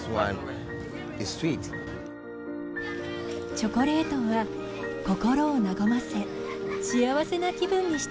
チョコレートは心を和ませ幸せな気分にしてくれます。